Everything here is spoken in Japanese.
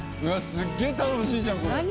すっげえ楽しいじゃんこれ！